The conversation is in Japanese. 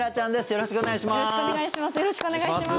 よろしくお願いします。